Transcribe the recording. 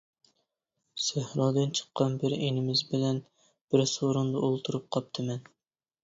سەھرادىن چىققان بىر ئىنىمىز بىلەن بىر سورۇندا ئولتۇرۇپ قاپتىمەن.